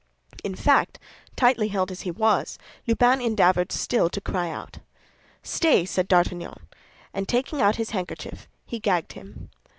In fact, tightly held as he was, Lubin endeavored still to cry out. "Stay!" said D'Artagnan; and taking out his handkerchief, he gagged him.